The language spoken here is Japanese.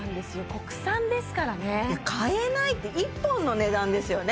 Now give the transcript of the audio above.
国産ですからねいや買えないって１本の値段ですよね？